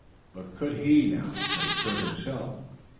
But could he now "make good" himself?